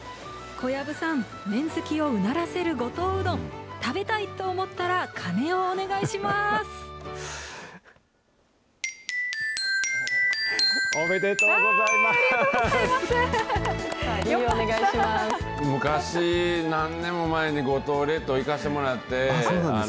小籔さん、麺好きをうならせる五島うどん、食べたいと思ったら鐘をお願いします。